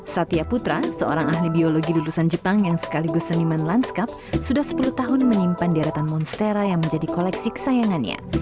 satya putra seorang ahli biologi lulusan jepang yang sekaligus seniman lanskap sudah sepuluh tahun menyimpan deretan monstera yang menjadi koleksi kesayangannya